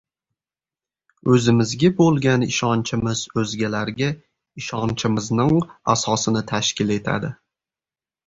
O‘zimizga bo‘lgan ishonchimiz o‘zgalarga ishonchimizning‘ asosini tashkil etadi.